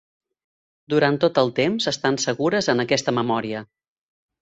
Durant tot el temps estan segures en aquesta memòria.